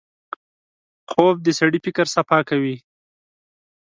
خوب د سړي فکر صفا کوي